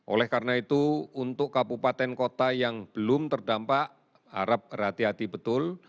oleh karena itu untuk kabupaten kota yang belum terdampak harap hati hati betul